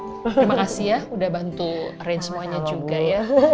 terima kasih ya udah bantu range semuanya juga ya